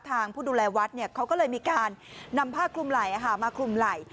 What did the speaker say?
ผู้ดูแลวัดเขาก็เลยมีการนำผ้าคลุมไหล่มาคลุมไหล่